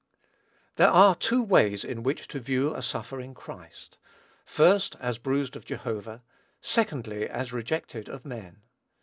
There are two ways in which to view a suffering Christ: first, as bruised of Jehovah; secondly, as rejected of men.